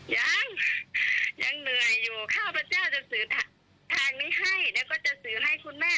ยังยังเหนื่อยอยู่ข้าพเจ้าจะสื่อทางนี้ให้แล้วก็จะสื่อให้คุณแม่